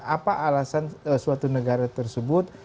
apa alasan suatu negara tersebut